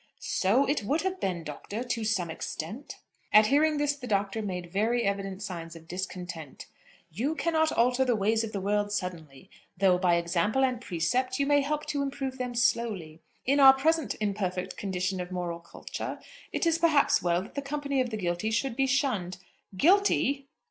"So it would have been, Doctor, to some extent." At hearing this the Doctor made very evident signs of discontent. "You cannot alter the ways of the world suddenly, though by example and precept you may help to improve them slowly. In our present imperfect condition of moral culture, it is perhaps well that the company of the guilty should be shunned." "Guilty!"